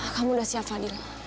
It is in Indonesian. kamu sudah siap adil